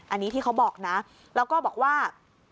อันนี้ที่เขาบอกนะแล้วก็บอกว่า